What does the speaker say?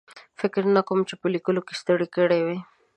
فکر نه کوم چې په لیکلو کې ستړی کړی وي.